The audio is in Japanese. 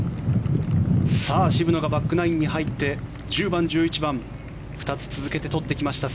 渋野がバックナインに入って１０番、１１番２つ続けて取ってきました。